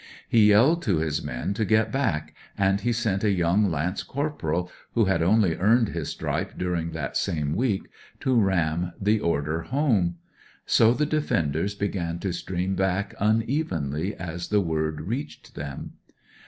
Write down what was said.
7^.^ yelled to his men to get back, and ht sent a young lance corporal (who had only earned his stripe during that same week) to ram the order home. So the defenders began to stream back imevenly as the word reached them.